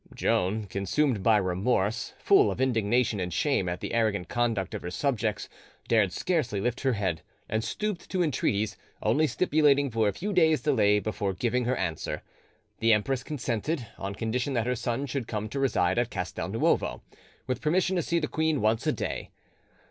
Joan, consumed by remorse, full of indignation and shame at the arrogant conduct of her subjects, dared scarcely lift her head, and stooped to entreaties, only stipulating for a few days' delay before giving her answer: the empress consented, on condition that her son should come to reside at Castel Nuovo, with permission to see the queen once a day.